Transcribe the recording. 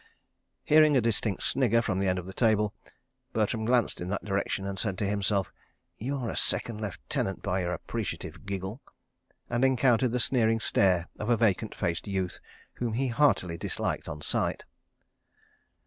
Hearing a distinct snigger from the end of the table, Bertram glanced in that direction, said to himself, "You're a second lieutenant, by your appreciative giggle," and encountered the sneering stare of a vacant faced youth whom he heartily disliked on sight.